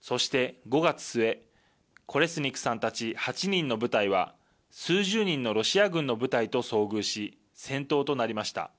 そして５月末コレスニクさんたち８人の部隊は数十人のロシア軍の部隊と遭遇し戦闘となりました。